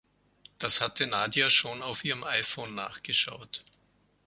Das hatte Nadja schon auf ihren iPhone nachgeschaut.